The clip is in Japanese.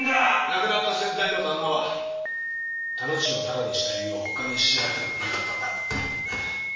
亡くなった先代の旦那は店賃をただにした理由をほかに知られたくなかったんだ。